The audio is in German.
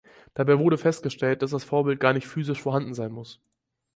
Dabei wurde festgestellt, dass das Vorbild gar nicht physisch vorhanden sein muss.